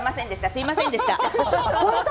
すみませんでした。